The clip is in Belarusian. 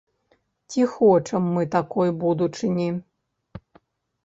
Ці хочам мы такой будучыні?